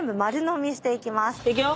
いくよ。